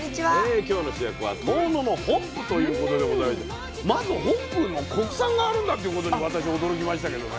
今日の主役は「遠野のホップ」ということでございましてまずホップの国産があるんだっていうことに私驚きましたけどね。